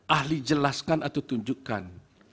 ahli jelaskan atau tunjukkan